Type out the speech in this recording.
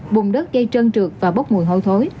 bùng đất gây trơn trượt và bốc mùi hôi thối